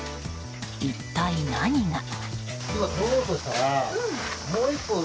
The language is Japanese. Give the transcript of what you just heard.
一体、何が？